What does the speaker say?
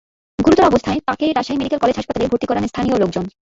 গুরুতর অবস্থায় তাঁকে রাজশাহী মেডিকেল কলেজ হাসপাতালে ভর্তি করান স্থানীয় লোকজন।